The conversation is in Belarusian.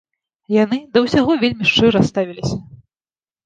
Яны да ўсяго вельмі шчыра ставіліся.